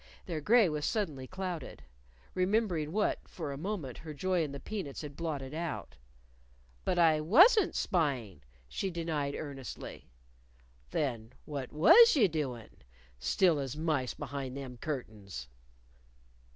Their gray was suddenly clouded remembering what, for a moment, her joy in the peanuts had blotted out. "But I wasn't spying," she denied earnestly. "Then what was you doin'? still as mice behind them curtains."